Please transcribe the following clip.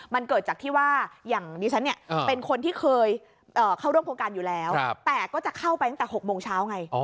มันเกิดจากที่ว่าอย่างดิฉันเนี่ยเป็นคนที่เคยเข้าร่วมโครงการอยู่แล้วแต่ก็จะเข้าไปตั้งแต่๖โมงเช้าไง